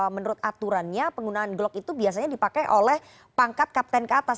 menurut aturannya penggunaan glock itu biasanya dipakai oleh pangkat kapten ke atas